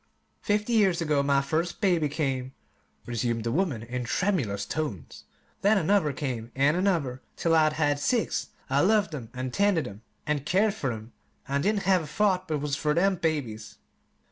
"Fifty years ago my first baby came," resumed the woman in tremulous tones; "then another came, and another, till I'd had six. I loved 'em, an' tended 'em, an' cared fer 'em, an' didn't have a thought but was fer them babies.